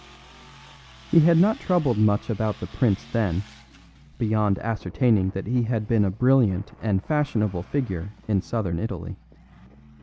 He had not troubled much about the prince then, beyond ascertaining that he had been a brilliant and fashionable figure in southern Italy.